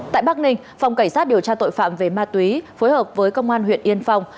tại bắc ninh phòng cảnh sát điều tra tội phạm về ma túy phối hợp với công an huyện yên phong